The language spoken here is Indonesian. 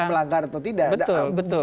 melanggar atau tidak betul betul